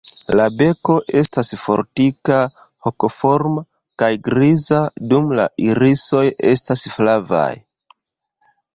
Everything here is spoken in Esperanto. La beko estas fortika, hokoforma kaj griza, dum la irisoj estas flavaj.